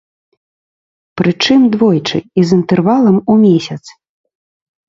Прычым, двойчы і з інтэрвалам у месяц.